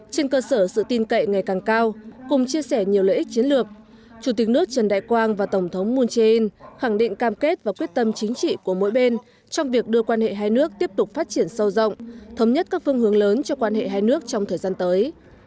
trên cơ sở sự tin cậy ngày càng cao cùng chia sẻ nhiều lợi ích chiến lược chủ tịch nước trần đại quang và tổng thống moon jae in khẳng định cam kết và quyết tâm chính trị của mỗi bên trong việc đưa quan hệ hai nước tiếp tục phát triển sâu rộng thống nhất các phương hướng lớn cho quan hệ hai nước trong thời gian tới